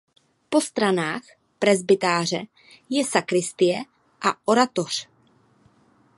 Po stranách presbytáře je sakristie a oratoř.